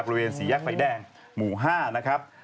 บริเวณสี่แยกไฟแดงหมู่๕นะครับ